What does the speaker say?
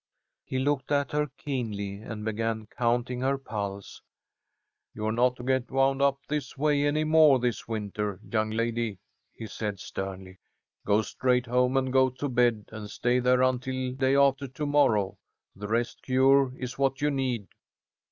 He looked at her keenly and began counting her pulse. "You are not to get wound up this way any more this winter, young lady," he said, sternly. "Go straight home and go to bed, and stay there until day after to morrow. The rest cure is what you need."